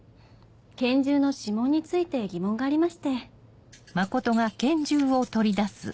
拳銃の指紋について疑問がありまして。